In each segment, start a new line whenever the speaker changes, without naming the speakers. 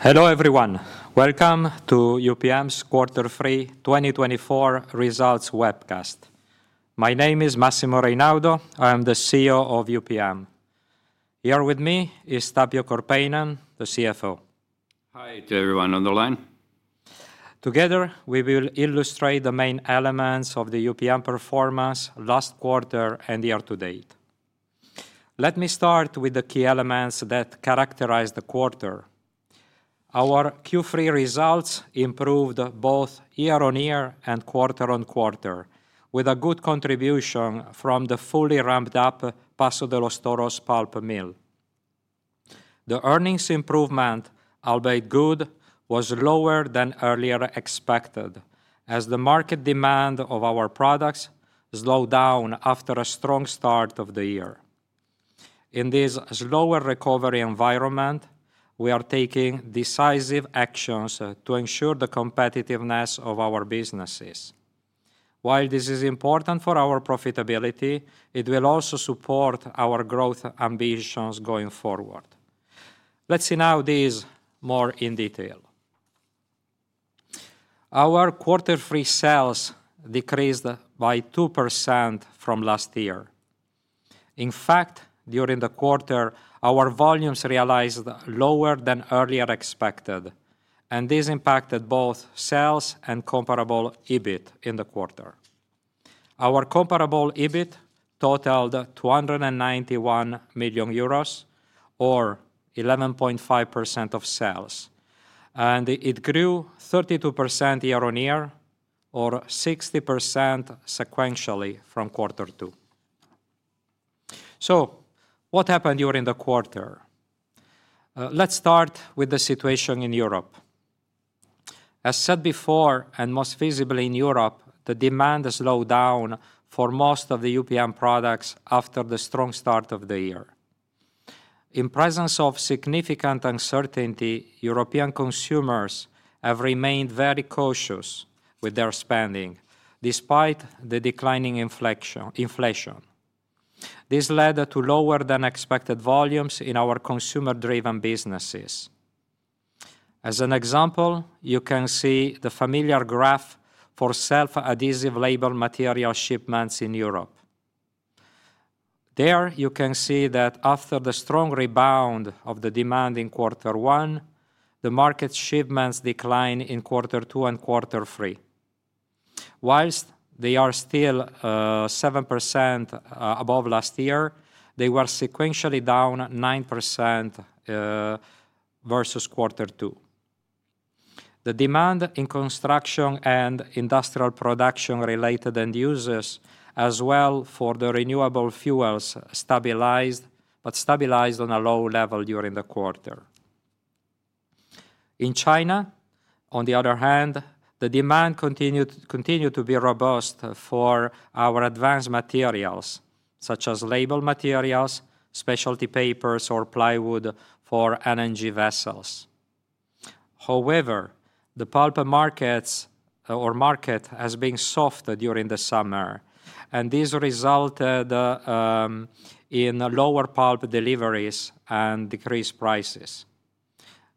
Hello, everyone. Welcome to UPM's Q3 2024 results webcast. My name is Massimo Reynaudo. I am the CEO of UPM. Here with me is Tapio Korpeinen, the CFO.
Hi to everyone on the line.
Together, we will illustrate the main elements of the UPM performance last quarter and year to date. Let me start with the key elements that characterize the quarter. Our Q3 results improved both year-on-year and quarter-on-quarter, with a good contribution from the fully ramped-up Paso de los Toros pulp mill. The earnings improvement, albeit good, was lower than earlier expected, as the market demand of our products slowed down after a strong start of the year. In this slower recovery environment, we are taking decisive actions to ensure the competitiveness of our businesses. While this is important for our profitability, it will also support our growth ambitions going forward. Let's see now this more in detail. Our quarterly sales decreased by 2% from last year. In fact, during the quarter, our volumes realized lower than earlier expected, and this impacted both sales and comparable EBIT in the quarter. Our comparable EBIT totaled 291 million euros, or 11.5% of sales, and it grew 32% year-on-year, or 60% sequentially from quarter two. So what happened during the quarter? Let's start with the situation in Europe. As said before, and most visibly in Europe, the demand has slowed down for most of the UPM products after the strong start of the year. In presence of significant uncertainty, European consumers have remained very cautious with their spending, despite the declining inflation. This led to lower-than-expected volumes in our consumer-driven businesses. As an example, you can see the familiar graph for self-adhesive label material shipments in Europe. There, you can see that after the strong rebound of the demand in quarter one, the market shipments declined in quarter two and quarter three. While they are still 7% above last year, they were sequentially down 9% versus quarter two. The demand in construction and industrial production related end users, as well for the renewable fuels, stabilized, but on a low level during the quarter. In China, on the other hand, the demand continued to be robust for our advanced materials, such as label materials, Specialty Papers, or plywood for LNG vessels. However, the pulp markets or market has been soft during the summer, and this resulted in lower pulp deliveries and decreased prices.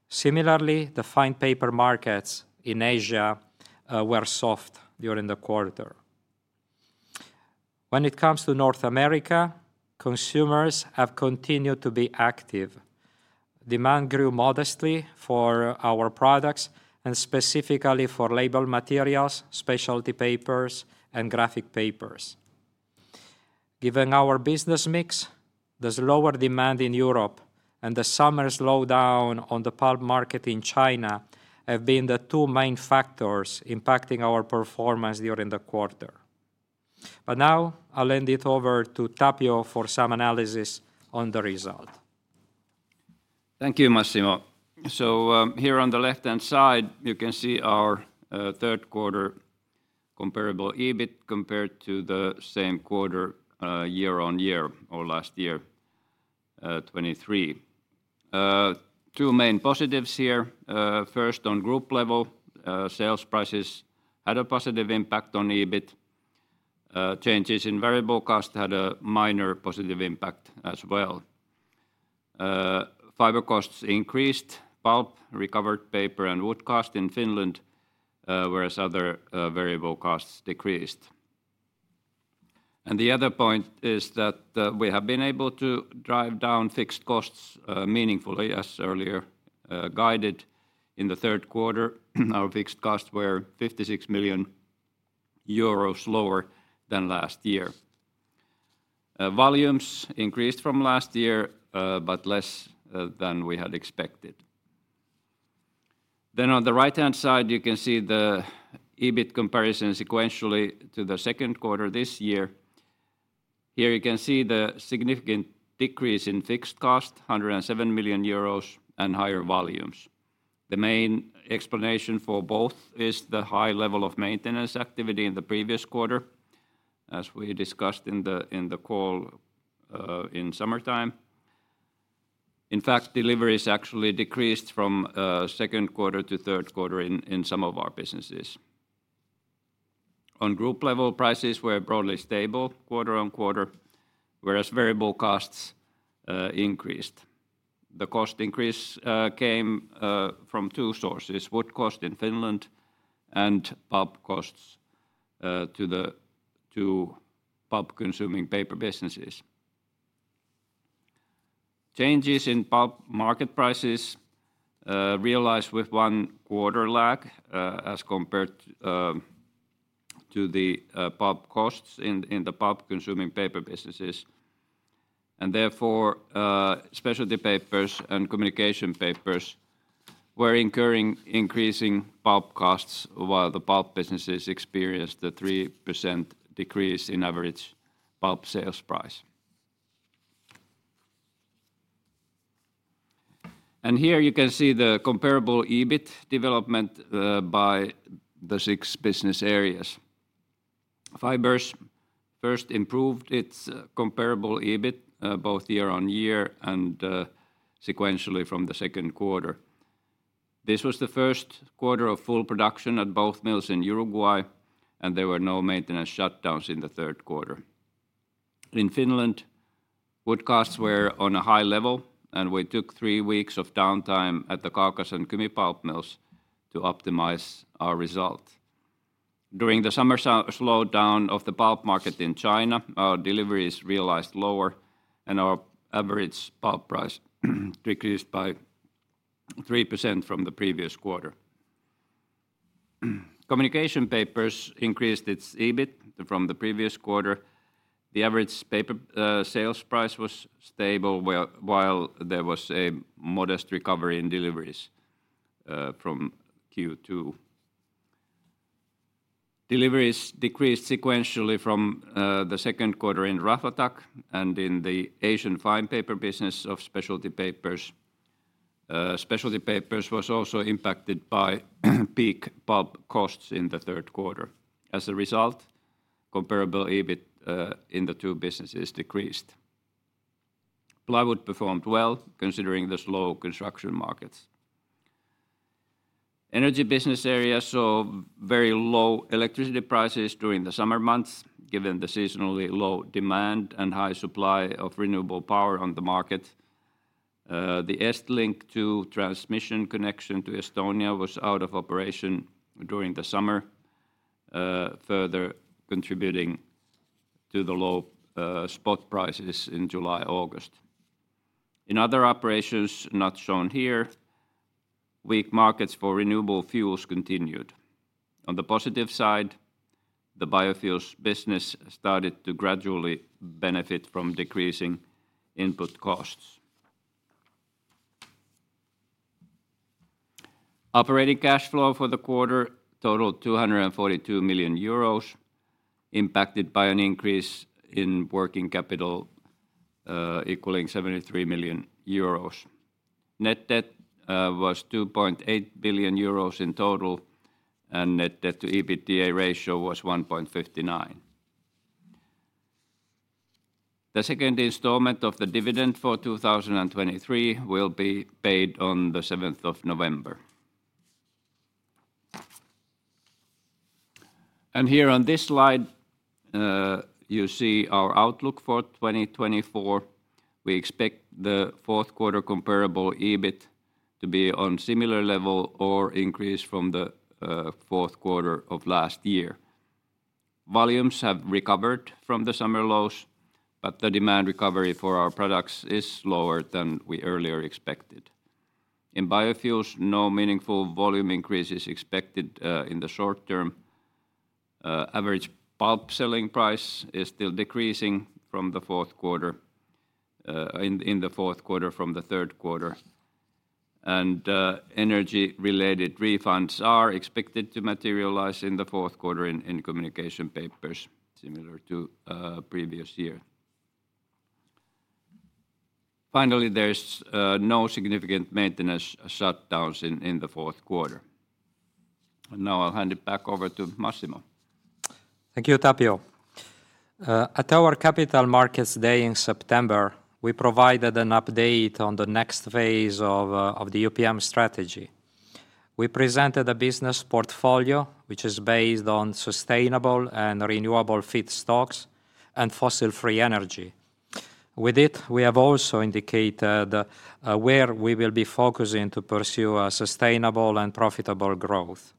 Similarly, the fine paper markets in Asia were soft during the quarter. When it comes to North America, consumers have continued to be active. Demand grew modestly for our products and specifically for label materials, Specialty Papers, and graphic papers. Given our business mix, this lower demand in Europe and the summer slowdown on the pulp market in China have been the two main factors impacting our performance during the quarter. But now I'll hand it over to Tapio for some analysis on the result.
Thank you, Massimo. So, here on the left-hand side, you can see our third quarter comparable EBIT compared to the same quarter year-on-year or last year 2023. Two main positives here. First, on group level, sales prices had a positive impact on EBIT. Changes in variable cost had a minor positive impact as well. Fibre costs increased, pulp recovered paper and wood cost in Finland, whereas other variable costs decreased. And the other point is that we have been able to drive down fixed costs meaningfully, as earlier guided. In the third quarter, our fixed costs were 56 million euros lower than last year. Volumes increased from last year, but less than we had expected. Then on the right-hand side, you can see the EBIT comparison sequentially to the second quarter this year. Here you can see the significant decrease in fixed cost, 107 million euros, and higher volumes. The main explanation for both is the high level of maintenance activity in the previous quarter, as we discussed in the call in summertime. In fact, deliveries actually decreased from second quarter to third quarter in some of our businesses. On group level, prices were broadly stable quarter on-quarter, whereas variable costs increased. The cost increase came from two sources: wood cost in Finland and pulp costs to the pulp-consuming paper businesses. Changes in pulp market prices realized with one quarter lag as compared to the pulp costs in the pulp-consuming paper businesses. Therefore, Specialty Papers and Communication Papers were incurring increasing pulp costs, while the pulp businesses experienced a 3% decrease in average pulp sales price. Here you can see the comparable EBIT development by the six business areas. Fibres first improved its comparable EBIT both year-on-year and sequentially from the second quarter. This was the first quarter of full production at both mills in Uruguay, and there were no maintenance shutdowns in the third quarter. In Finland, wood costs were on a high level, and we took three weeks of downtime at the Kaukas and Kymi pulp mills to optimize our result. During the summer slowdown of the pulp market in China, our deliveries realized lower, and our average pulp price decreased by 3% from the previous quarter. Communication Papers increased its EBIT from the previous quarter. The average paper sales price was stable, while there was a modest recovery in deliveries from Q2. Deliveries decreased sequentially from the second quarter in Raflatac and in the Asian fine paper business of Specialty papers. Specialty Papers was also impacted by peak pulp costs in the third quarter. As a result, comparable EBIT in the two businesses decreased. Plywood performed well, considering the slow construction markets. Energy business area saw very low electricity prices during the summer months, given the seasonally low demand and high supply of renewable power on the market. The EstLink 2 transmission connection to Estonia was out of operation during the summer, further contributing to the low spot prices in July, August. In other operations, not shown here, weak markets for renewable fuels continued. On the positive side, the biofuels business started to gradually benefit from decreasing input costs. Operating cash flow for the quarter totaled 242 million euros, impacted by an increase in working capital, equaling 73 million euros. Net debt was 2.8 billion euros in total, and net debt to EBITDA ratio was 1.59. The second installment of the dividend for 2023 will be paid on the seventh of November. And here on this slide, you see our outlook for 2024. We expect the fourth quarter comparable EBIT to be on similar level or increase from the fourth quarter of last year. Volumes have recovered from the summer lows, but the demand recovery for our products is lower than we earlier expected. In biofuels, no meaningful volume increase is expected in the short term. Average pulp selling price is still decreasing in the fourth quarter from the third quarter. And energy-related refunds are expected to materialize in the fourth quarter in Communication Papers, similar to previous year. Finally, there is no significant maintenance shutdowns in the fourth quarter. And now I'll hand it back over to Massimo.
Thank you, Tapio. At our Capital Markets Day in September, we provided an update on the next phase of the UPM strategy. We presented a business portfolio which is based on sustainable and renewable feedstocks and fossil-free energy. With it, we have also indicated where we will be focusing to pursue a sustainable and profitable growth.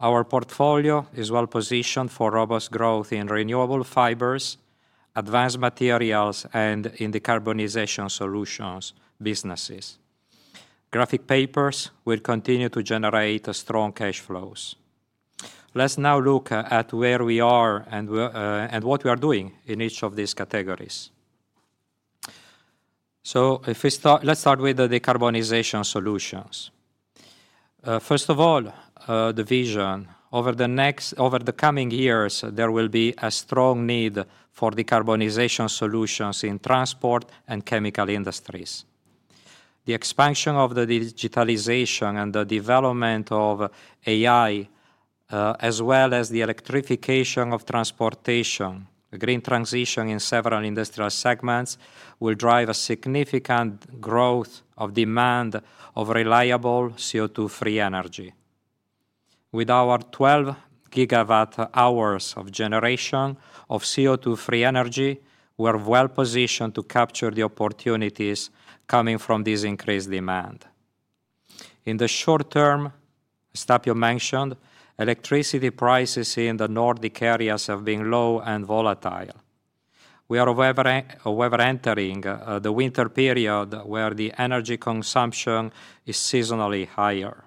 Our portfolio is well positioned for robust growth in renewable fibres, advanced materials, and in the decarbonization solutions businesses. Graphic papers will continue to generate strong cash flows. Let's now look at where we are and what we are doing in each of these categories. Let's start with the decarbonization solutions. First of all, the vision. Over the coming years, there will be a strong need for decarbonization solutions in transport and chemical industries. The expansion of the digitalization and the development of AI, as well as the electrification of transportation, green transition in several industrial segments, will drive a significant growth of demand of reliable CO2-free energy. With our twelve gigawatt hours of generation of CO2-free energy, we are well positioned to capture the opportunities coming from this increased demand. In the short term, as Tapio mentioned, electricity prices in the Nordic areas have been low and volatile. We are however, entering the winter period, where the energy consumption is seasonally higher.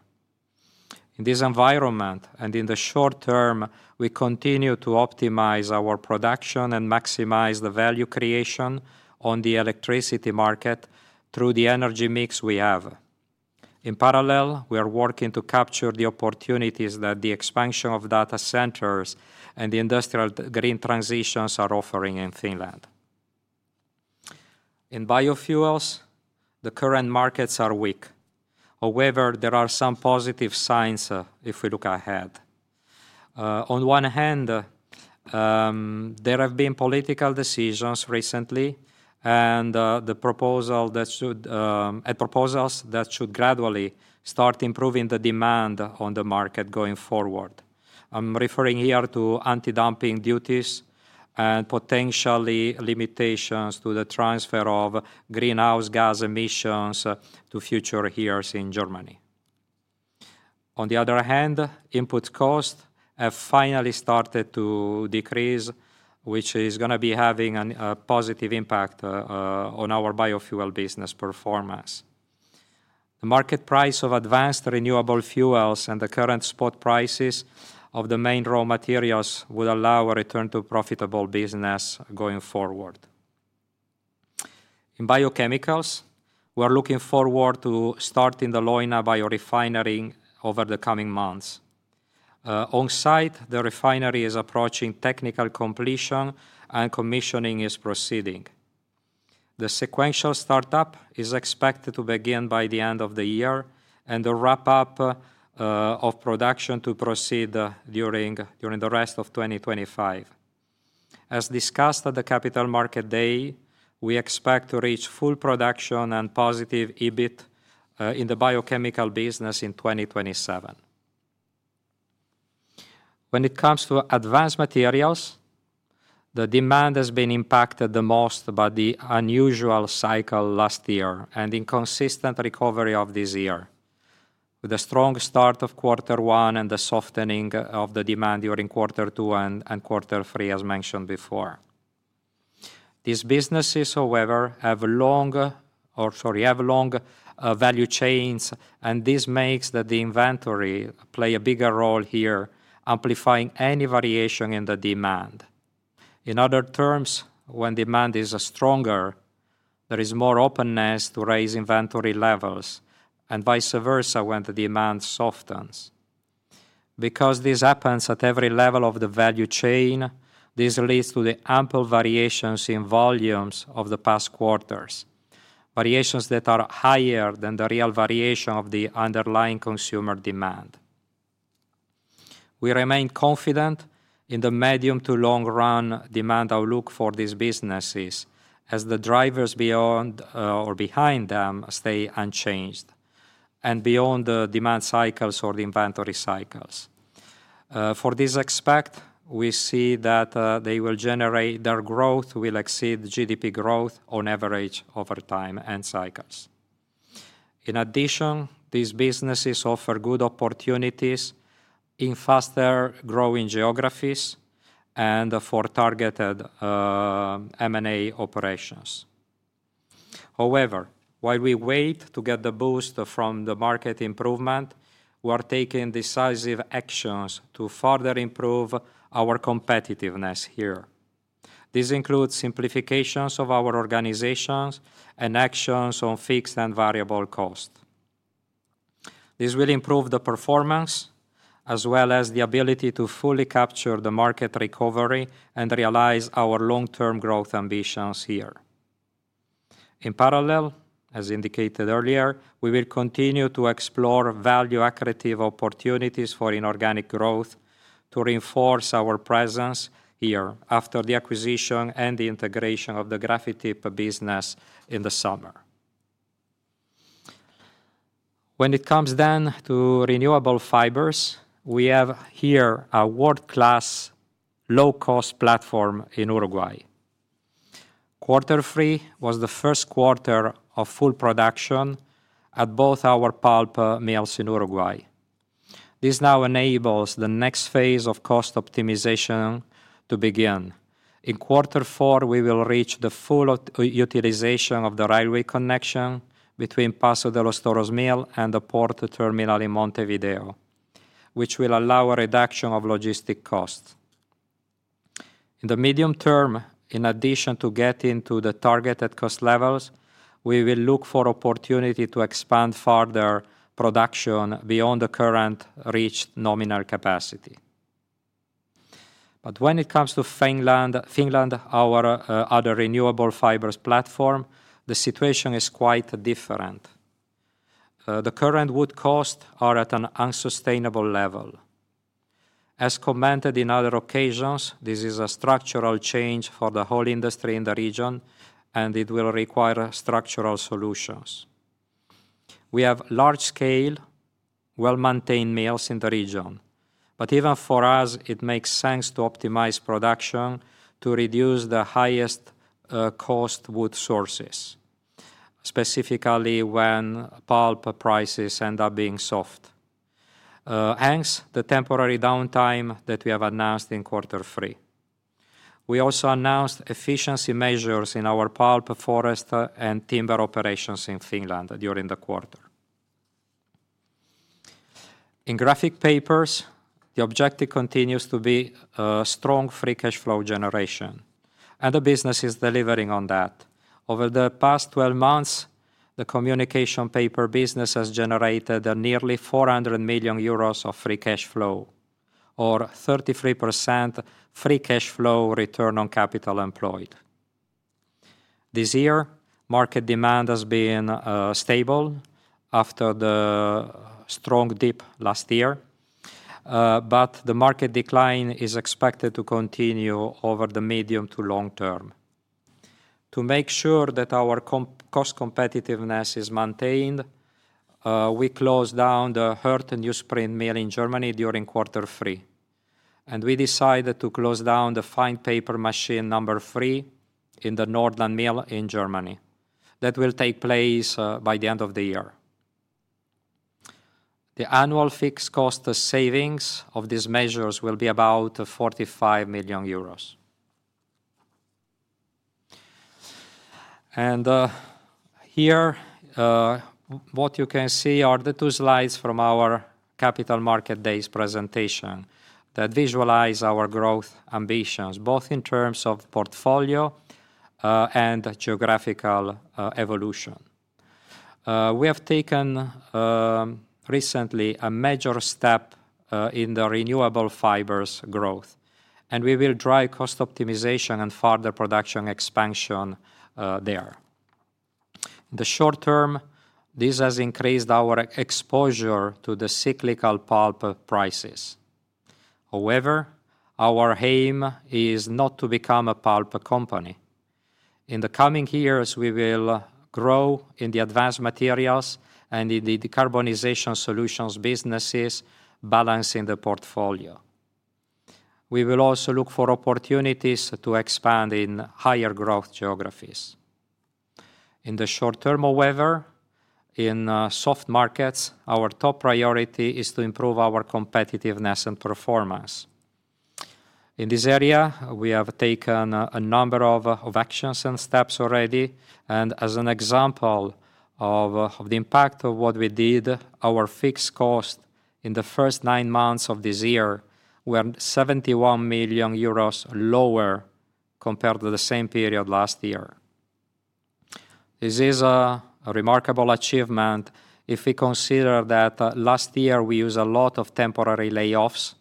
In this environment, and in the short term, we continue to optimize our production and maximize the value creation on the electricity market through the energy mix we have. In parallel, we are working to capture the opportunities that the expansion of data centers and the industrial green transitions are offering in Finland. In biofuels, the current markets are weak. However, there are some positive signs if we look ahead. On one hand, there have been political decisions recently, and proposals that should gradually start improving the demand on the market going forward. I'm referring here to anti-dumping duties and potentially limitations to the transfer of greenhouse gas emissions to future years in Germany. On the other hand, input costs have finally started to decrease, which is gonna be having a positive impact on our biofuel business performance. The market price of advanced renewable fuels and the current spot prices of the main raw materials will allow a return to profitable business going forward. In biochemicals, we are looking forward to starting the Leuna biorefinery over the coming months. On-site, the refinery is approaching technical completion, and commissioning is proceeding. The sequential startup is expected to begin by the end of the year, and the wrap-up of production to proceed during the rest of 2025. As discussed at the Capital Markets Day, we expect to reach full production and positive EBIT in the biochemical business in 2027. When it comes to advanced materials, the demand has been impacted the most by the unusual cycle last year and inconsistent recovery of this year, with a strong start of quarter one and the softening of the demand during quarter two and quarter three, as mentioned before. These businesses, however, have long value chains, and this makes that the inventory play a bigger role here, amplifying any variation in the demand. In other terms, when demand is stronger, there is more openness to raise inventory levels, and vice versa when the demand softens. Because this happens at every level of the value chain, this leads to the ample variations in volumes of the past quarters, variations that are higher than the real variation of the underlying consumer demand. We remain confident in the medium to long-run demand outlook for these businesses, as the drivers beyond, or behind them stay unchanged and beyond the demand cycles or the inventory cycles. For this aspect, we see that their growth will exceed GDP growth on average over time and cycles. In addition, these businesses offer good opportunities in faster-growing geographies and for targeted, M&A operations. However, while we wait to get the boost from the market improvement, we are taking decisive actions to further improve our competitiveness here. This includes simplifications of our organizations and actions on fixed and variable costs. This will improve the performance, as well as the ability to fully capture the market recovery and realize our long-term growth ambitions here. In parallel, as indicated earlier, we will continue to explore value-accretive opportunities for inorganic growth to reinforce our presence here after the acquisition and the integration of the Grafityp business in the summer. When it comes then to renewable fibres, we have here a world-class low-cost platform in Uruguay. Quarter three was the first quarter of full production at both our pulp mills in Uruguay. This now enables the next phase of cost optimization to begin. In quarter four, we will reach the full utilization of the railway connection between Paso de los Toros mill and the port terminal in Montevideo, which will allow a reduction of logistics costs. In the medium term, in addition to getting to the targeted cost levels, we will look for opportunity to expand further production beyond the current reached nominal capacity. But when it comes to Finland, our other renewable fibres platform, the situation is quite different. The current wood costs are at an unsustainable level. As commented in other occasions, this is a structural change for the whole industry in the region, and it will require structural solutions. We have large-scale, well-maintained mills in the region, but even for us, it makes sense to optimize production to reduce the highest cost wood sources, specifically when pulp prices end up being soft. Hence, the temporary downtime that we have announced in quarter three. We also announced efficiency measures in our pulp, forest, and timber operations in Finland during the quarter. In Graphic Papers, the objective continues to be a strong free cash flow generation, and the business is delivering on that. Over the past twelve months, the Communication Paper business has generated nearly 400 million euros of free cash flow, or 33% free cash flow return on capital employed. This year, market demand has been stable after the strong dip last year, but the market decline is expected to continue over the medium to long term. To make sure that our cost competitiveness is maintained, we closed down the Hürth newsprint mill in Germany during quarter three, and we decided to close down the fine paper machine number three in the Nordland mill in Germany. That will take place by the end of the year. The annual fixed cost savings of these measures will be about 45 million euros. Here, what you can see are the two slides from our Capital Markets Day presentation that visualize our growth ambitions, both in terms of portfolio and geographical evolution. We have taken recently a major step in the renewable fibres growth, and we will drive cost optimization and further production expansion there. In the short term, this has increased our exposure to the cyclical pulp prices. However, our aim is not to become a pulp company. In the coming years, we will grow in the advanced materials and in the decarbonization solutions businesses, balancing the portfolio. We will also look for opportunities to expand in higher growth geographies. In the short term, however, in soft markets, our top priority is to improve our competitiveness and performance. In this area, we have taken a number of actions and steps already, and as an example of the impact of what we did, our fixed cost in the first nine months of this year were 71 million euros lower compared to the same period last year. This is a remarkable achievement if we consider that last year we used a lot of temporary layoffs,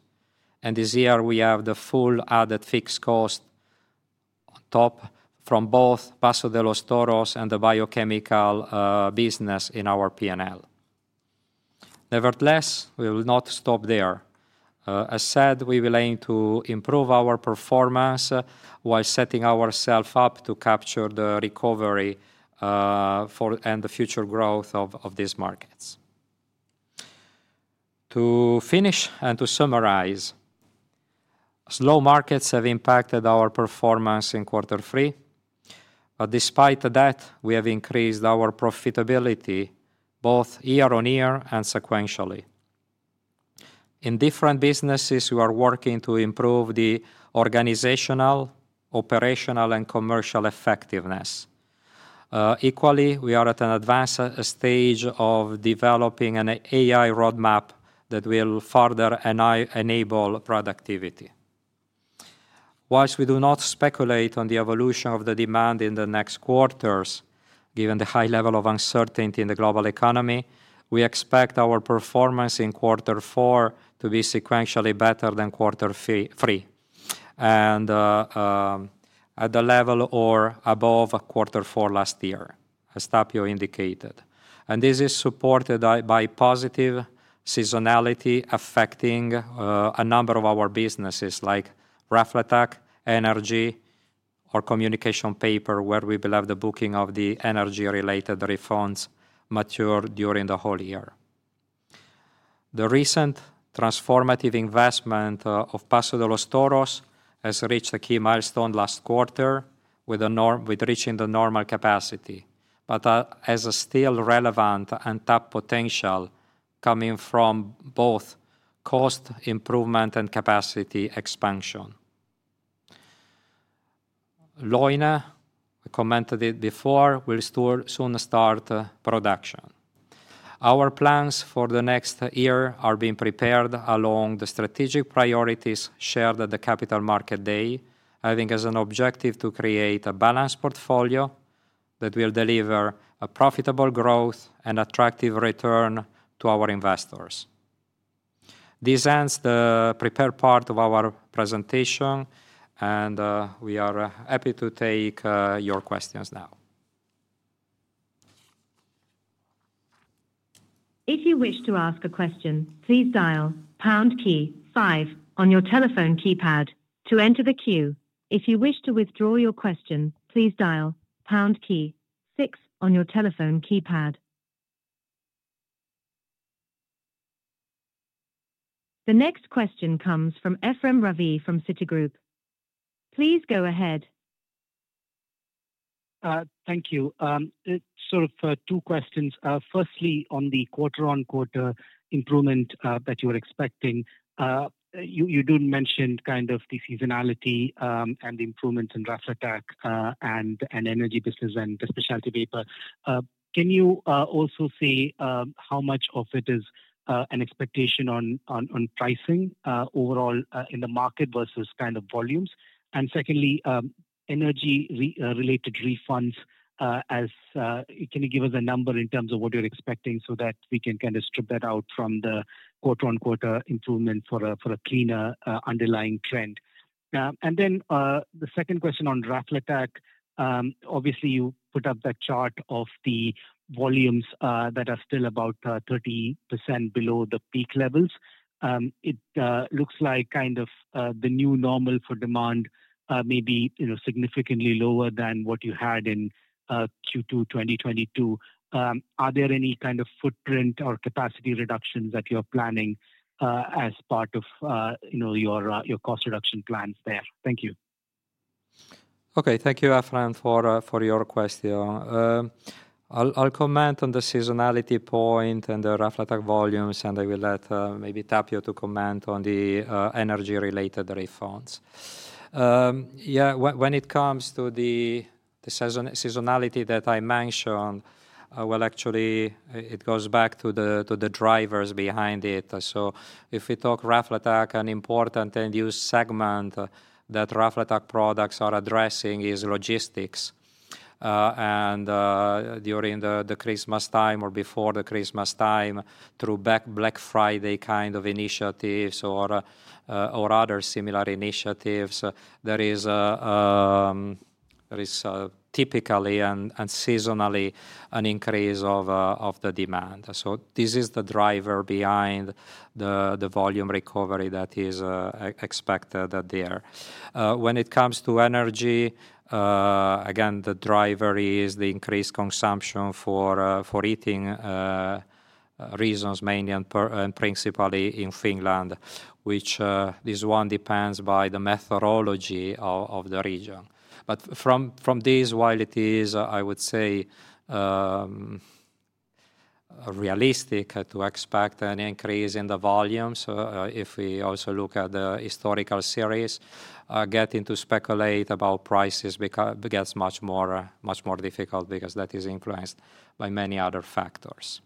and this year we have the full added fixed cost on top from both Paso de los Toros and the biochemical business in our PNL. Nevertheless, we will not stop there. As said, we will aim to improve our performance while setting ourselves up to capture the recovery and the future growth of these markets. To finish and to summarize, slow markets have impacted our performance in quarter three, but despite that, we have increased our profitability both year-on-year and sequentially. In different businesses, we are working to improve the organizational, operational, and commercial effectiveness. Equally, we are at an advanced stage of developing an AI roadmap that will further enable productivity. Whilst we do not speculate on the evolution of the demand in the next quarters, given the high level of uncertainty in the global economy, we expect our performance in quarter four to be sequentially better than quarter three, and at the level or above quarter four last year, as Tapio indicated. And this is supported by positive seasonality affecting a number of our businesses, like Raflatac, Energy, or Communication Paper, where we believe the booking of the energy-related refunds mature during the whole year. The recent transformative investment of Paso de los Toros has reached a key milestone last quarter with reaching the normal capacity, but has a still relevant and top potential coming from both cost improvement and capacity expansion. Leuna, I commented it before, will soon start production. Our plans for the next year are being prepared along the strategic priorities shared at the Capital Markets Day, having as an objective to create a balanced portfolio that will deliver a profitable growth and attractive return to our investors. This ends the prepared part of our presentation, and we are happy to take your questions now.
If you wish to ask a question, please dial pound key five on your telephone keypad to enter the queue. If you wish to withdraw your question, please dial pound key six on your telephone keypad. The next question comes from Efrem Ravi from Citigroup. Please go ahead.
Thank you. It's sort of two questions. Firstly, on the quarter-on-quarter improvement that you were expecting. You do mention kind of the seasonality and the improvements in Raflatac and energy business and the specialty paper. Can you also say how much of it is an expectation on pricing overall in the market versus kind of volumes? And secondly, energy related refunds. Can you give us a number in terms of what you're expecting so that we can kind of strip that out from the quarter-on-quarter improvement for a cleaner underlying trend? And then the second question on Raflatac. Obviously, you put up that chart of the volumes that are still about 30% below the peak levels. It looks like kind of the new normal for demand may be, you know, significantly lower than what you had in Q2 2022. Are there any kind of footprint or capacity reductions that you're planning as part of, you know, your cost reduction plans there? Thank you.
Okay. Thank you, Efrem, for your question. I'll comment on the seasonality point and the Raflatac volumes, and I will let maybe Tapio comment on the energy-related refunds. When it comes to the seasonality that I mentioned, well, actually, it goes back to the drivers behind it. So if we talk Raflatac, an important end-use segment that Raflatac products are addressing is logistics. And during the Christmas time or before the Christmas time, through Black Friday kind of initiatives or other similar initiatives, there is typically and seasonally an increase of the demand. So this is the driver behind the volume recovery that is expected out there. When it comes to energy, again, the driver is the increased consumption for, for heating, reasons, mainly and principally in Finland, which, this one depends by the methodology of, of the region. But from this, while it is, I would say, realistic to expect an increase in the volumes, if we also look at the historical series, getting to speculate about prices becomes much more, much more difficult because that is influenced by many other factors.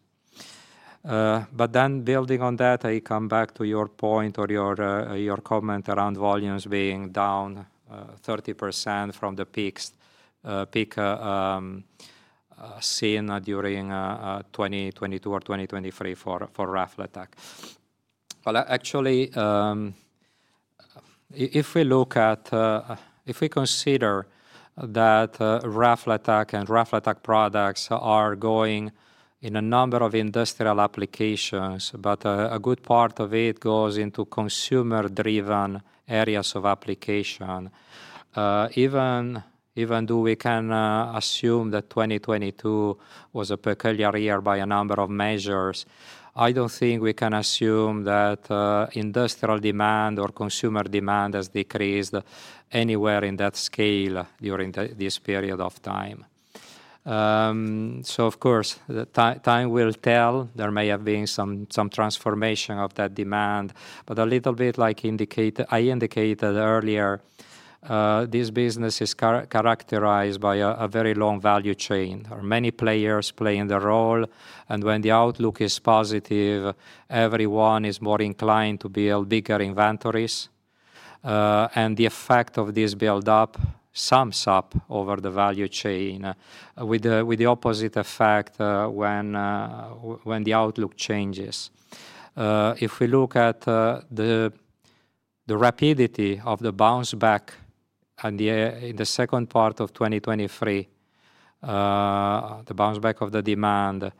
But then building on that, I come back to your point or your, your comment around volumes being down 30% from the peaks, peak, seen during 2022 or 2023 for, for Raflatac. Well, actually, if we look at... If we consider that, Raflatac and Raflatac products are going in a number of industrial applications, but a good part of it goes into consumer-driven areas of application. Even though we can assume that 2022 was a peculiar year by a number of measures, I don't think we can assume that industrial demand or consumer demand has decreased anywhere in that scale during this period of time. So of course, the time will tell. There may have been some transformation of that demand, but a little bit I indicated earlier, this business is characterized by a very long value chain. There are many players playing the role, and when the outlook is positive, everyone is more inclined to build bigger inventories. And the effect of this build-up sums up over the value chain, with the opposite effect, when the outlook changes. If we look at the rapidity of the bounce back in the second part of 2023, the bounce back of the demand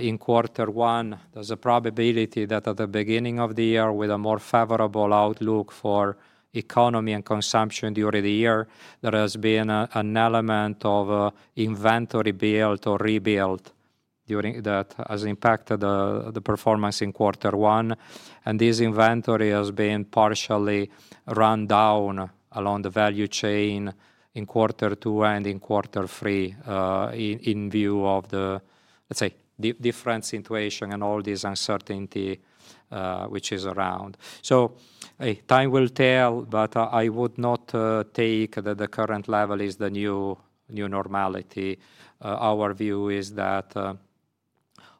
in quarter one, there's a probability that at the beginning of the year, with a more favorable outlook for economy and consumption during the year, there has been an element of inventory build or rebuild during that has impacted the performance in quarter one, and this inventory has been partially run down along the value chain in quarter two and in quarter three, in view of the, let's say, difference in situation and all this uncertainty which is around. Time will tell, but I would not take that the current level is the new normality. Our view is that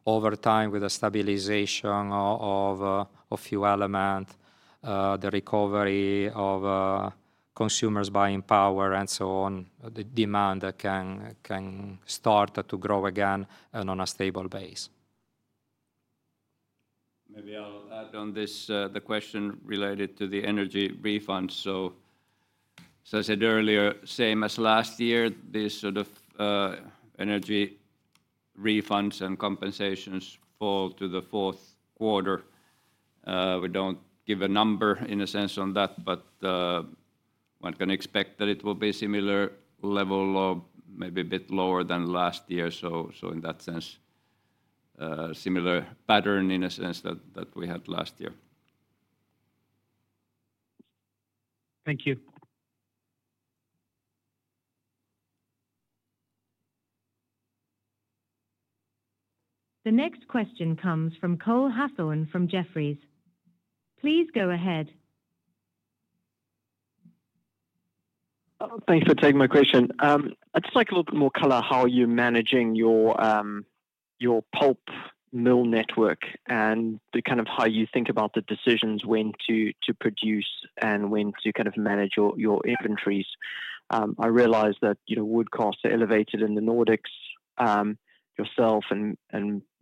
over time, with the stabilization of a few elements, the recovery of consumers' buying power and so on, the demand can start to grow again and on a stable base.
Maybe I'll add on this, the question related to the energy refunds. So, as I said earlier, same as last year, these sort of, energy refunds and compensations fall to the fourth quarter. We don't give a number in a sense on that, but, one can expect that it will be similar level or maybe a bit lower than last year. So in that sense, similar pattern in a sense that we had last year.
Thank you.
The next question comes from Cole Hathorn from Jefferies. Please go ahead.
Thanks for taking my question. I'd just like a little bit more color how you're managing your pulp mill network and the kind of how you think about the decisions when to produce and when to kind of manage your inventories. I realize that, you know, wood costs are elevated in the Nordics, yourself and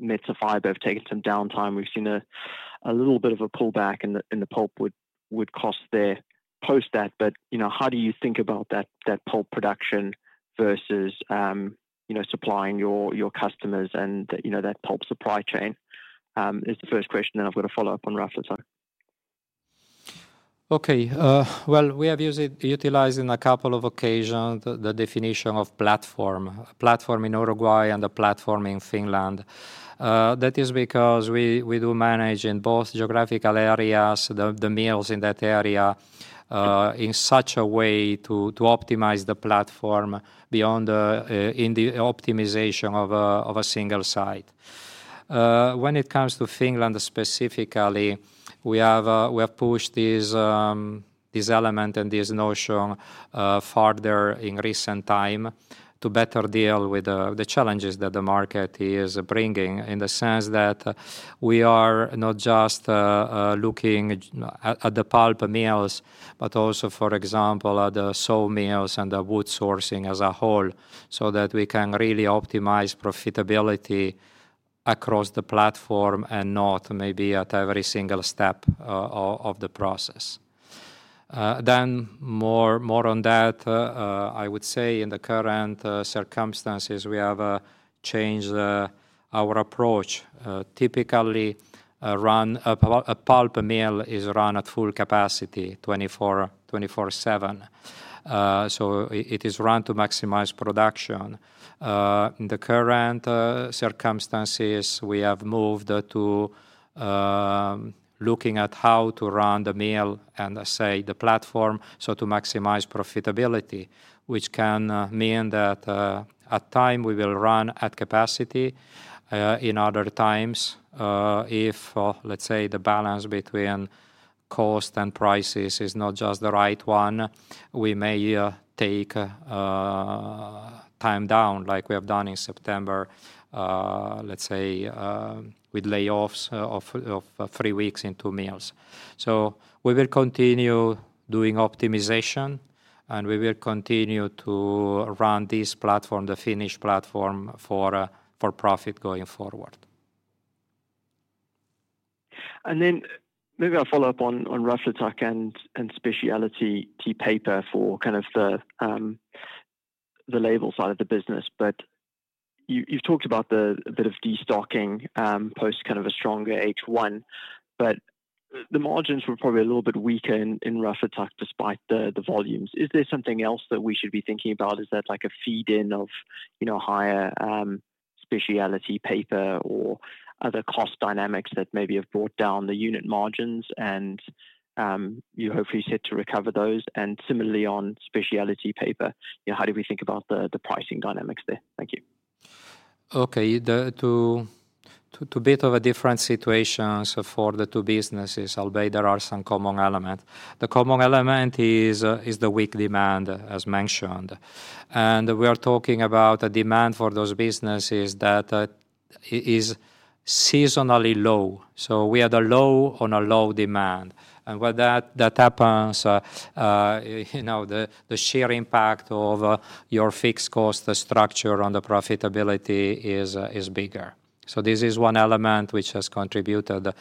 Metsä Fibre have taken some downtime. We've seen a little bit of a pullback in the pulp wood cost there post that, but, you know, how do you think about that pulp production versus, you know, supplying your customers and, you know, that pulp supply chain is the first question, then I've got a follow-up on Raflatac.
Okay. Well, we have utilized, in a couple of occasions, the definition of platform, a platform in Uruguay and a platform in Finland. That is because we do manage, in both geographical areas, the mills in that area in such a way to optimize the platform beyond the optimization of a single site. When it comes to Finland specifically, we have pushed this element and this notion further in recent time to better deal with the challenges that the market is bringing, in the sense that we are not just looking at the pulp mills, but also, for example, at the saw mills and the wood sourcing as a whole, so that we can really optimize profitability across the platform and not maybe at every single step of the process. Then more on that, I would say in the current circumstances, we have changed our approach. Typically, a pulp mill is run at full capacity, twenty-four/seven. So it is run to maximize production. In the current circumstances, we have moved to looking at how to run the mill and, say, the platform, so to maximize profitability, which can mean that at time we will run at capacity. In other times, if, let's say, the balance between cost and prices is not just the right one, we may take time down like we have done in September, let's say, with layoffs of three weeks in two mills. We will continue doing optimization, and we will continue to run this platform, the Finnish platform, for profit going forward.
And then maybe I'll follow up on Raflatac and specialty paper for kind of the label side of the business. But you've talked about the bit of destocking post kind of a stronger H1, but the margins were probably a little bit weaker in Raflatac, despite the volumes. Is there something else that we should be thinking about? Is that like a feed in of, you know, higher specialty paper or other cost dynamics that maybe have brought down the unit margins and you hopefully set to recover those? And similarly, on specialty paper, you know, how do we think about the pricing dynamics there? Thank you.
Okay. There are two a bit different situations for the two businesses, albeit there are some common element. The common element is the weak demand, as mentioned, and we are talking about a demand for those businesses that is seasonally low. So we had a low on a low demand, and when that happens, you know, the sheer impact of your fixed cost structure on the profitability is bigger. So this is one element which has contributed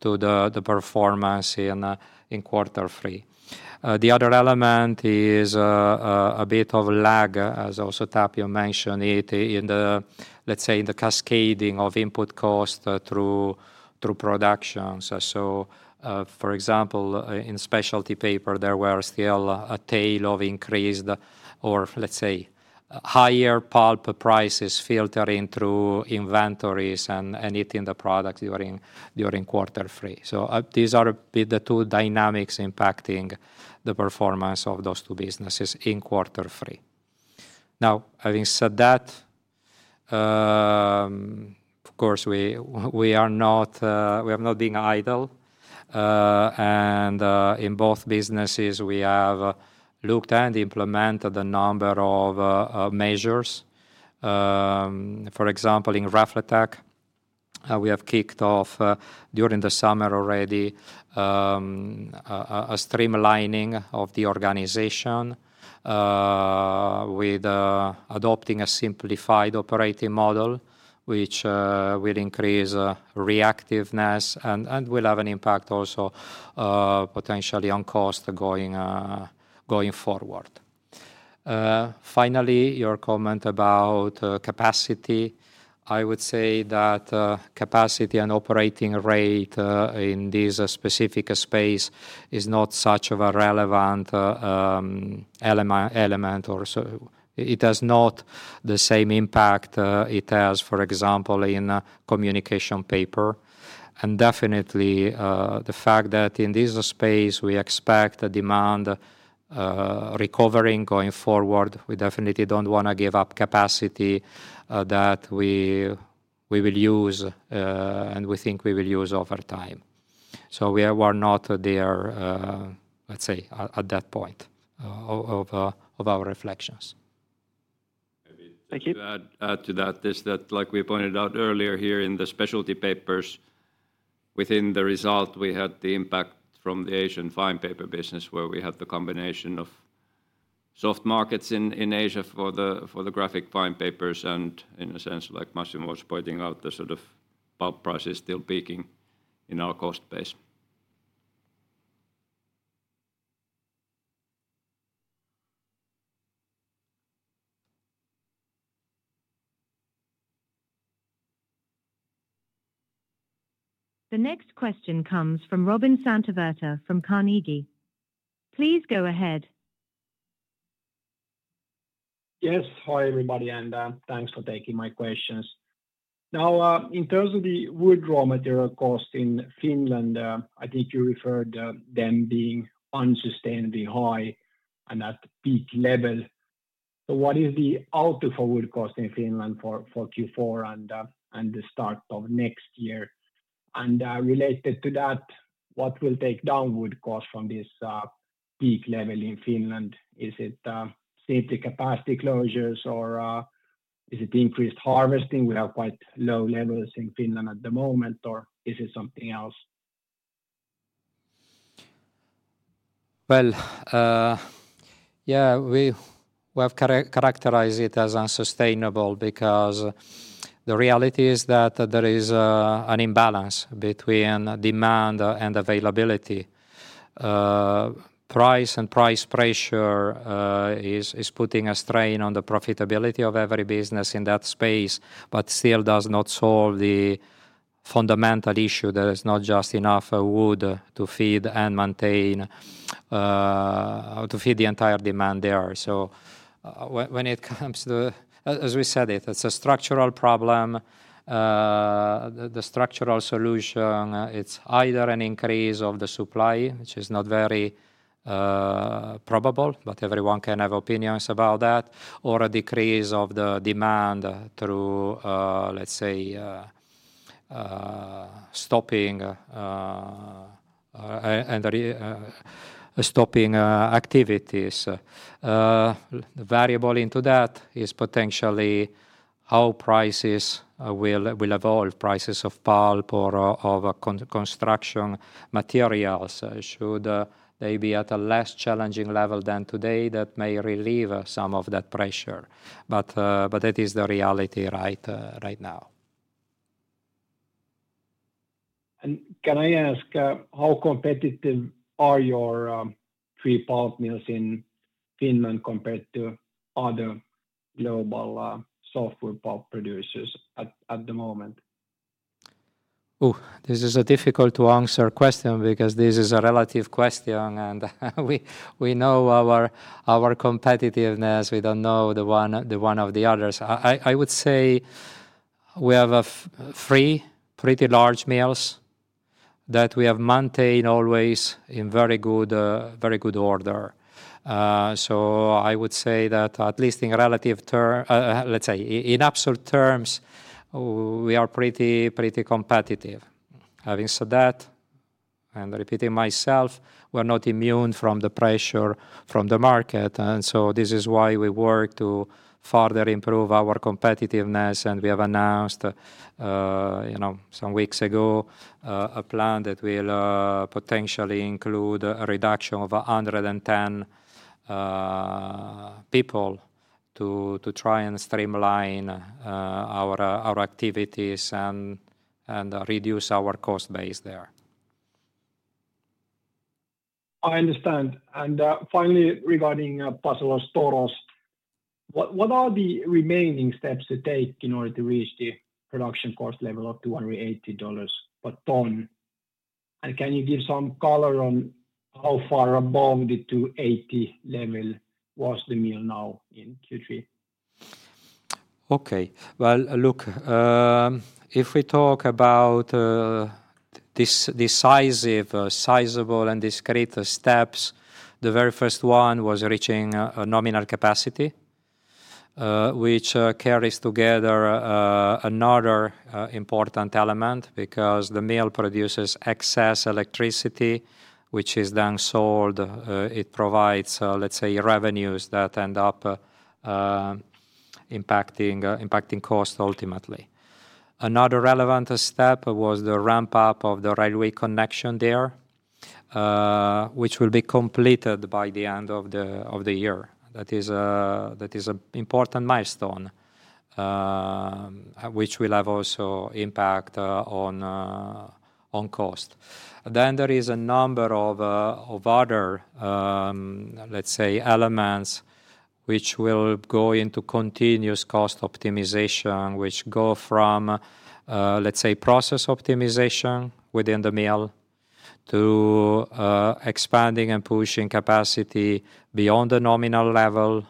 to the performance in quarter three. The other element is a bit of lag, as also Tapio mentioned it, in the, let's say, in the cascading of input cost through production. For example, in specialty paper, there were still a tail of increased or let's say, higher pulp prices filtering through inventories and hitting the product during quarter three. So, these are the two dynamics impacting the performance of those two businesses in quarter three. Now, having said that, of course, we are not being idle. And in both businesses, we have looked and implemented a number of measures. For example, in Raflatac, we have kicked off during the summer already a streamlining of the organization with adopting a simplified operating model, which will increase reactiveness and will have an impact also potentially on cost going forward. Finally, your comment about capacity. I would say that, capacity and operating rate, in this specific space is not such a relevant, element or so it has not the same impact, it has, for example, in communication paper. And definitely, the fact that in this space we expect the demand, recovering going forward, we definitely don't want to give up capacity, that we will use, and we think we will use over time. We are not there, let's say, at that point of our reflections.
Thank you.
To add to that is that, like we pointed out earlier here in the Specialty Papers, within the result, we had the impact from the Asian fine paper business, where we have the combination of soft markets in Asia for the graphic fine papers, and in a sense, like Massimo was pointing out, the sort of pulp price is still peaking in our cost base.
The next question comes from Robin Santavirta from Carnegie. Please go ahead.
Yes. Hi, everybody, and thanks for taking my questions. Now, in terms of the wood raw material cost in Finland, I think you referred them being unsustainably high and at peak level. So what is the outlook for wood cost in Finland for Q4 and the start of next year? And related to that, what will take down wood cost from this peak level in Finland? Is it safety capacity closures, or is it increased harvesting? We have quite low levels in Finland at the moment, or is it something else?
Yeah, we have characterized it as unsustainable because the reality is that there is an imbalance between demand and availability. Price and price pressure is putting a strain on the profitability of every business in that space, but still does not solve the fundamental issue. There is not just enough wood to feed and maintain to feed the entire demand there. So when it comes to... As we said, it's a structural problem. The structural solution, it's either an increase of the supply, which is not very probable, but everyone can have opinions about that, or a decrease of the demand through, let's say, stopping activities. Variable into that is potentially how prices will evolve, prices of pulp or of construction materials. Should they be at a less challenging level than today, that may relieve some of that pressure, but that is the reality right now.
Can I ask how competitive are your three pulp mills in Finland compared to other global softwood pulp producers at the moment?
Oh, this is a difficult to answer question because this is a relative question, and we know our competitiveness. We don't know the one of the others. I would say we have three pretty large mills that we have maintained always in very good order. So I would say that at least in relative terms, let's say in absolute terms, we are pretty competitive. Having said that, I'm repeating myself, we're not immune from the pressure from the market, and so this is why we work to further improve our competitiveness, and we have announced, you know, some weeks ago, a plan that will potentially include a reduction of 110 people to try and streamline our activities and reduce our cost base there.
I understand. Finally, regarding Paso de los Toros, what are the remaining steps to take in order to reach the production cost level of $280 per ton? And can you give some color on how far above the $280 level was the mill in Q3?
Okay. Well, look, if we talk about this decisive, sizable, and discrete steps, the very first one was reaching a nominal capacity, which carries together another important element, because the mill produces excess electricity, which is then sold. It provides, let's say, revenues that end up impacting cost ultimately. Another relevant step was the ramp up of the railway connection there, which will be completed by the end of the year. That is a important milestone, which will have also impact on cost. Then there is a number of other, let's say, elements which will go into continuous cost optimization, which go from, let's say, process optimization within the mill, to expanding and pushing capacity beyond the nominal level,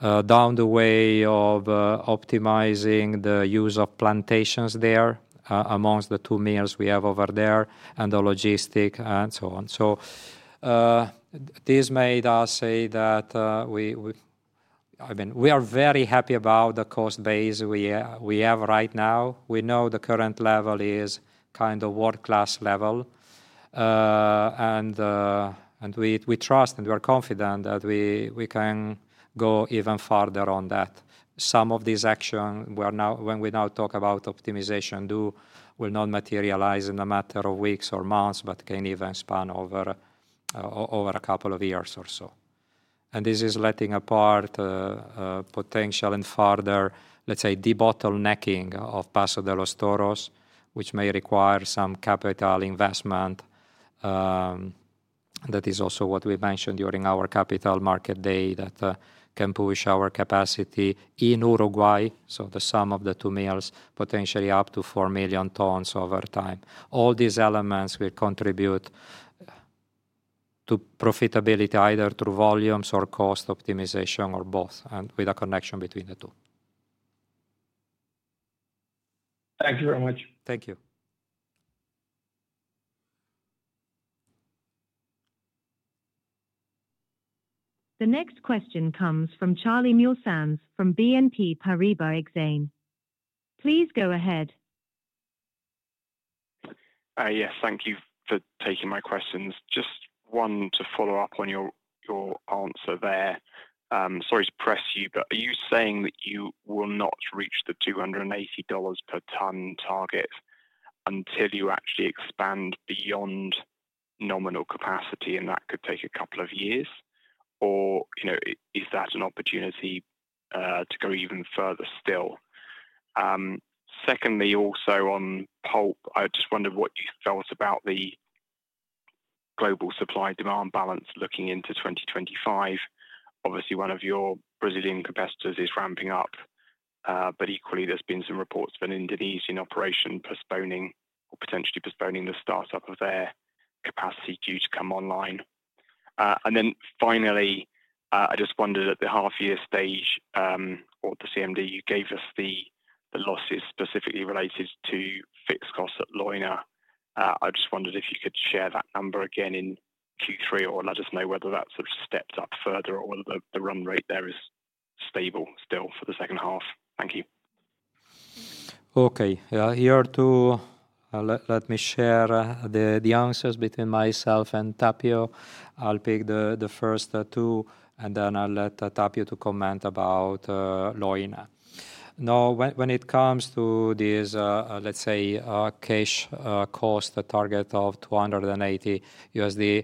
down the way of optimizing the use of plantations there, amongst the two mills we have over there, and the logistics and so on. So, this made us say that, I mean, we are very happy about the cost base we have right now. We know the current level is kind of world-class level. And we trust and we are confident that we can go even further on that. Some of these actions we are now when we talk about optimization will not materialize in a matter of weeks or months, but can even span over a couple of years or so. This is leaving aside a potential and further, let's say, debottlenecking of Paso de los Toros, which may require some capital investment. That is also what we mentioned during our Capital Markets Day, that can push our capacity in Uruguay, so the sum of the two mills, potentially up to four million tons over time. All these elements will contribute to profitability, either through volumes or cost optimization or both, and with a connection between the two.
Thank you very much.
Thank you.
The next question comes from Charlie Muir-Sands from BNP Paribas Exane. Please go ahead.
Yes, thank you for taking my questions. Just one to follow up on your answer there. Sorry to press you, but are you saying that you will not reach the $280 per ton target until you actually expand beyond nominal capacity, and that could take a couple of years? Or, you know, is that an opportunity to go even further still? Secondly, also on pulp, I just wondered what you felt about the global supply-demand balance looking into 2025. Obviously, one of your Brazilian competitors is ramping up, but equally, there's been some reports of an Indonesian operation postponing or potentially postponing the startup of their capacity due to come online. And then finally, I just wondered, at the half year stage, or the CMD, you gave us the losses specifically related to fixed costs at Leuna. I just wondered if you could share that number again in Q3, or I'll just know whether that sort of steps up further or whether the run rate there is stable still for the second half. Thank you.
Okay. Let me share the answers between myself and Tapio. I'll pick the first two, and then I'll let Tapio comment about Leuna. Now, when it comes to this, let's say, cash cost, the target of $280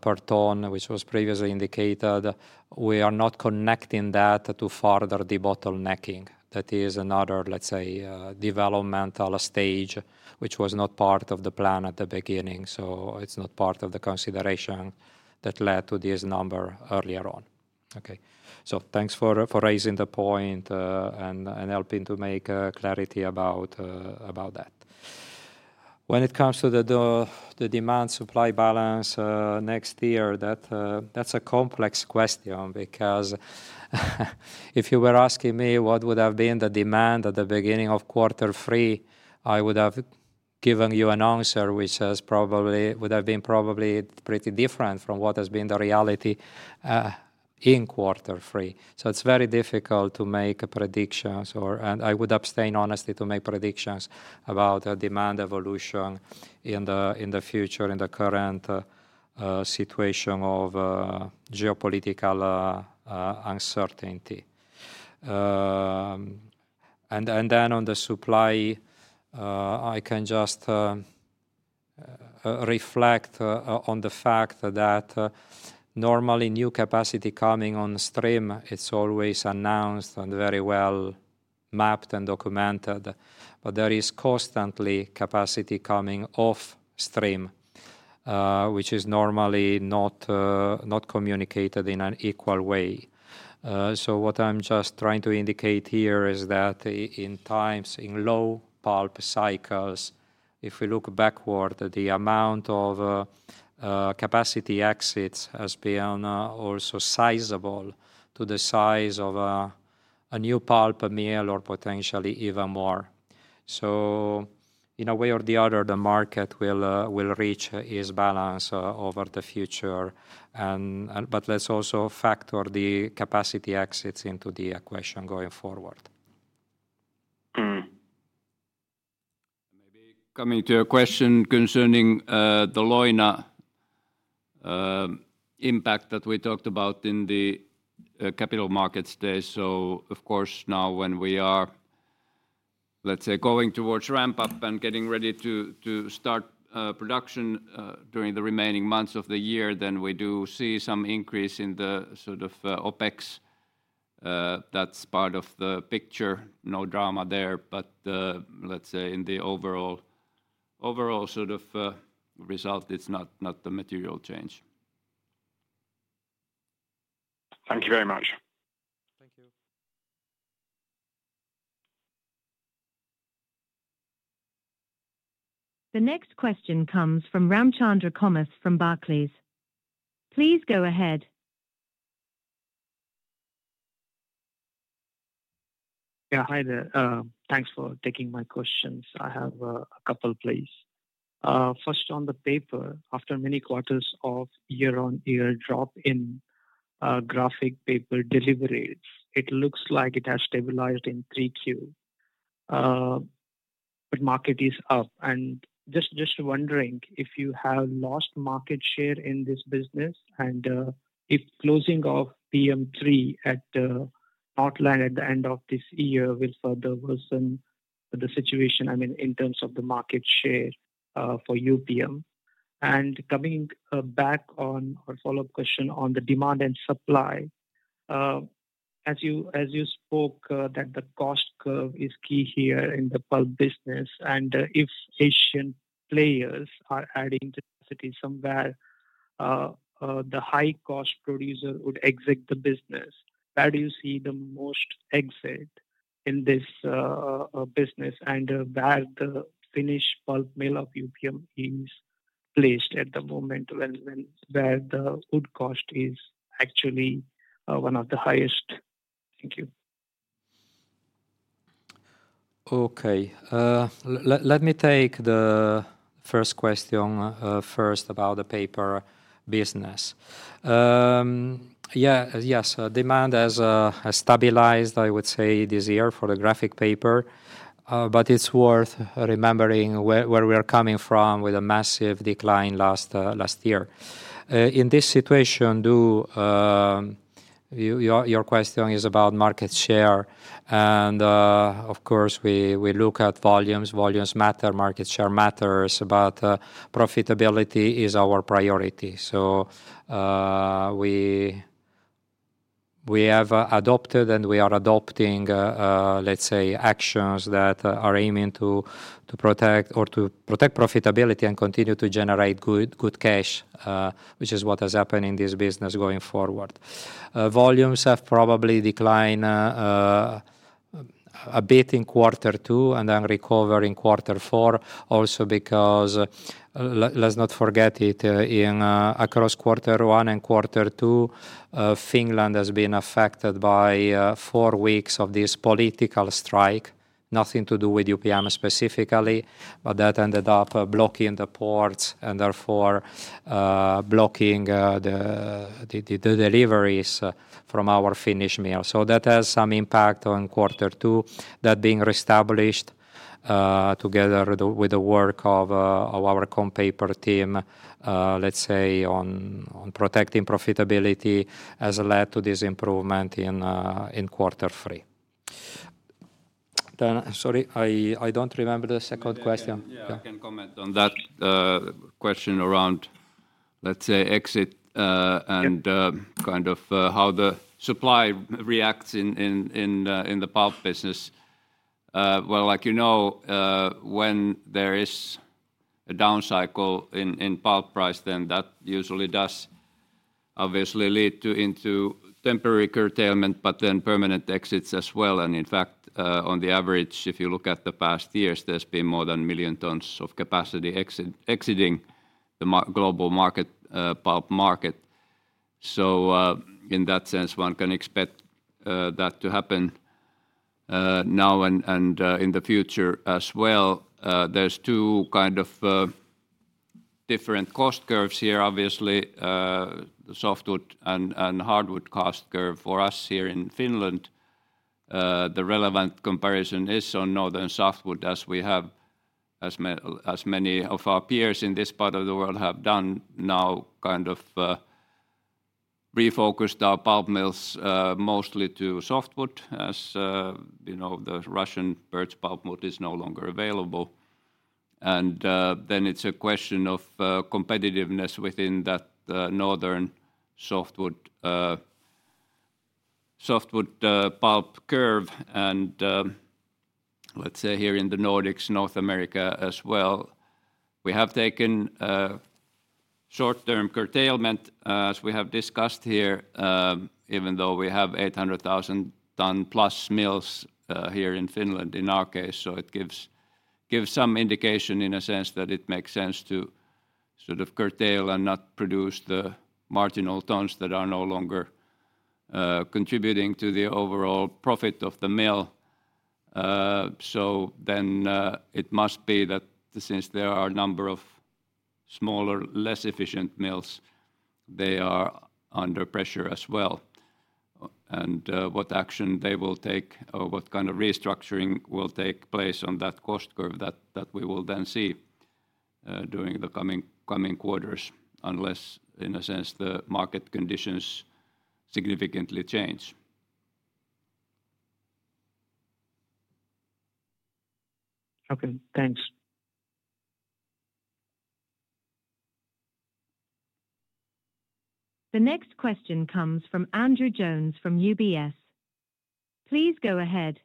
per ton, which was previously indicated, we are not connecting that to further debottlenecking. That is another, let's say, developmental stage, which was not part of the plan at the beginning, so it's not part of the consideration that led to this number earlier on. Okay. So thanks for raising the point, and helping to make clarity about that. When it comes to the demand supply balance next year, that's a complex question because if you were asking me what would have been the demand at the beginning of quarter three, I would have given you an answer which would have been probably pretty different from what has been the reality in quarter three. So it's very difficult to make predictions, and I would abstain, honestly, to make predictions about the demand evolution in the future, in the current situation of geopolitical uncertainty. And then on the supply, I can just reflect on the fact that normally new capacity coming on stream, it's always announced and very well mapped and documented. But there is constantly capacity coming off stream, which is normally not communicated in an equal way. So what I'm just trying to indicate here is that in times in low pulp cycles, if we look backward, the amount of capacity exits has been also sizable to the size of a new pulp mill or potentially even more. So in a way or the other, the market will reach its balance over the future. But let's also factor the capacity exits into the equation going forward.
Mm-hmm.
Maybe coming to a question concerning the Leuna impact that we talked about in the Capital Markets Day. So of course, now when we are, let's say, going towards ramp up and getting ready to start production during the remaining months of the year, then we do see some increase in the sort of OpEx. That's part of the picture, no drama there. But let's say in the overall sort of result, it's not a material change.
Thank you very much.
The next question comes from Ramachandra Kamath from Barclays. Please go ahead.
Yeah, hi there. Thanks for taking my questions. I have a couple, please. First, on the paper, after many quarters of year-on-year drop in graphic paper deliveries, it looks like it has stabilized in Q3, but market is up, and just wondering if you have lost market share in this business, and if closing of PM 3 at the old line at the end of this year will further worsen the situation, I mean, in terms of the market share for UPM? And coming back on our follow-up question on the demand and supply, as you spoke, that the cost curve is key here in the pulp business, and if Asian players are adding capacity somewhere, the high-cost producer would exit the business. Where do you see the most upside in this business, and where the Finnish pulp mill of UPM is placed at the moment, and then where the wood cost is actually one of the highest? Thank you.
Okay. Let me take the first question first about the paper business. Yeah. Yes, demand has stabilized, I would say, this year for the graphic paper. But it's worth remembering where we are coming from with a massive decline last year. In this situation, your question is about market share, and of course, we look at volumes. Volumes matter, market share matters, but profitability is our priority. So, we have adopted, and we are adopting, let's say, actions that are aiming to protect profitability and continue to generate good cash, which is what has happened in this business going forward. Volumes have probably declined a bit in quarter two and then recover in quarter four. Also, because let's not forget it, across quarter one and quarter two, Finland has been affected by four weeks of this political strike. Nothing to do with UPM specifically, but that ended up blocking the ports and therefore blocking the deliveries from our Finnish mill. So that has some impact on quarter two. That being reestablished, together with the work of our Communication Paper team, let's say, on protecting profitability, has led to this improvement in quarter three. Then... Sorry, I don't remember the second question.
Yeah, yeah. I can comment on that, question around, let's say, exit,
Yep
Kind of, how the supply reacts in the pulp business. Well, like you know, when there is a down cycle in pulp price, then that usually does obviously lead to into temporary curtailment, but then permanent exits as well. And in fact, on the average, if you look at the past years, there's been more than a million tons of capacity exiting the global market, pulp market. So, in that sense, one can expect that to happen now and in the future as well. There's two kind of different cost curves here. Obviously, the softwood and hardwood cost curve. For us here in Finland, the relevant comparison is on northern softwood, as we have, as many of our peers in this part of the world have done now, kind of, refocused our pulp mills, mostly to softwood, as you know, the Russian birch pulpwood is no longer available. Then it's a question of competitiveness within that northern softwood pulp curve, and let's say, here in the Nordics, North America as well. We have taken a short-term curtailment, as we have discussed here, even though we have 800,000-ton-plus mills here in Finland, in our case. So it gives some indication in a sense that it makes sense to sort of curtail and not produce the marginal tones that are no longer contributing to the overall profit of the mill. So then it must be that since there are a number of smaller, less efficient mills, they are under pressure as well. And what action they will take or what kind of restructuring will take place on that cost curve, that we will then see during the coming quarters, unless in a sense the market conditions significantly change.
Okay, thanks.
The next question comes from Andrew Jones from UBS. Please go ahead.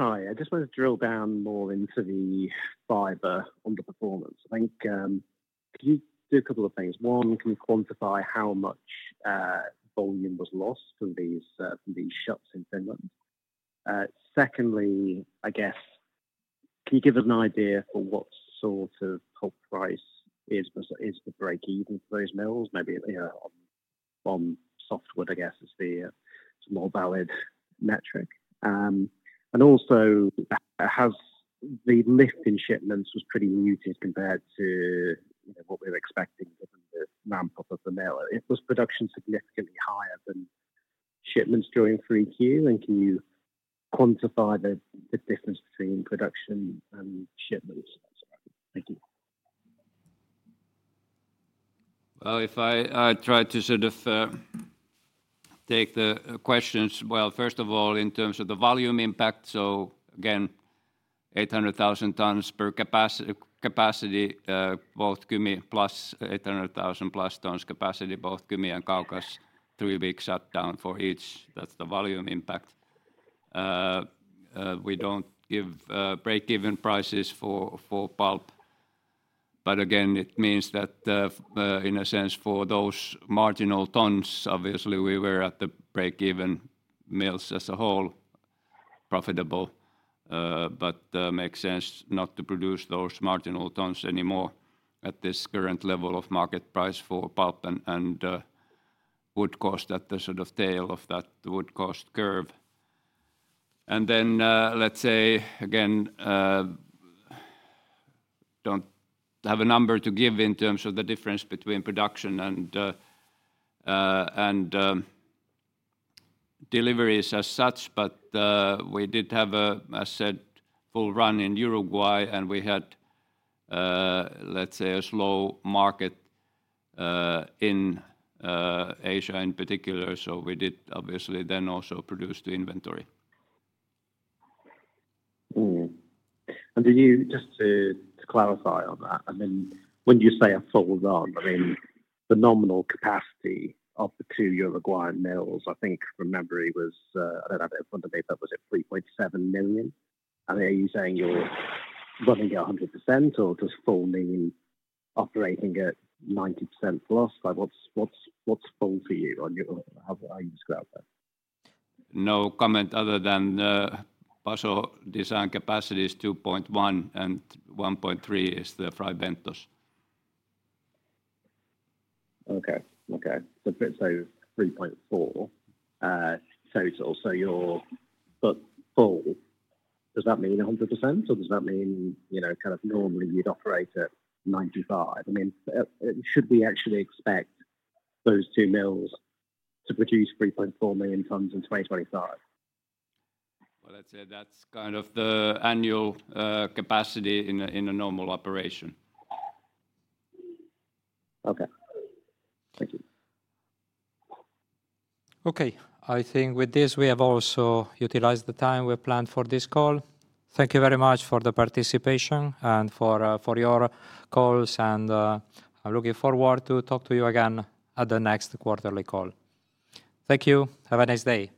Hi, I just want to drill down more into the fibres underperformance. I think, could you do a couple of things? One, can you quantify how much volume was lost from these shuts in Finland? Secondly, I guess, can you give us an idea of what sort of pulp price is the breakeven for those mills? Maybe, you know, on softwood, I guess, is the more valid metric. And also, has the lift in shipments was pretty muted compared to, you know, what we were expecting given the ramp-up of the mill. Was production significantly higher than shipments during three Q? And can you quantify the difference between production and shipments? Thank you.
If I try to sort of take the questions. First of all, in terms of the volume impact, so again, 800,000 tons capacity both Kymi plus 800,000 tons capacity both Kymi and Kaukas, three weeks shut down for each. That's the volume impact. We don't give breakeven prices for pulp, but again, it means that in a sense for those marginal tons, obviously we were at the breakeven mills as a whole profitable, but makes sense not to produce those marginal tons anymore at this current level of market price for pulp and would cost at the sort of tail of that wood cost curve. And then, let's say again, don't have a number to give in terms of the difference between production and deliveries as such, but we did have, as said, full run in Uruguay, and we had, let's say, a slow market in Asia in particular, so we did obviously then also produce the inventory.
And do you just to clarify on that, I mean, when you say a full run, I mean, the nominal capacity of the two Uruguayan mills, I think from memory, was, I don't have it in front of me, but was it 3.7 million? And are you saying you're running at 100%, or does full mean operating at 90% plus? Like, what's full for you on your... How do you describe that?
No comment other than, Paso design capacity is 2.1, and 1.3 is the Fray Bentos.
Okay. Okay. So let's say 3.4 total. So you're at full, does that mean 100%, or does that mean, you know, kind of normally you'd operate at 95%? I mean, should we actually expect those two mills to produce 3.4 million tons in 2025?
I'd say that's kind of the annual capacity in a normal operation.
Okay. Thank you.
Okay. I think with this, we have also utilized the time we planned for this call. Thank you very much for the participation and for your calls, and I'm looking forward to talk to you again at the next quarterly call. Thank you. Have a nice day.